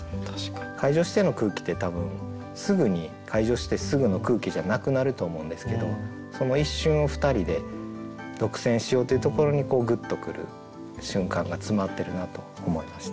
開場しての空気って多分すぐに開場してすぐの空気じゃなくなると思うんですけどその一瞬をふたりで独占しようというところにこうグッとくる瞬間が詰まってるなと思いました。